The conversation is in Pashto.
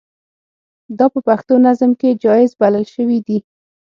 دا په پښتو نظم کې جائز بلل شوي دي.